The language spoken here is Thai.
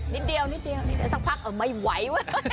นิดเดียวสักพักเอ่อไม่ไหว